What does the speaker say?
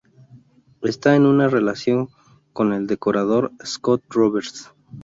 Esta en una relación con el decorador Scott Roberts.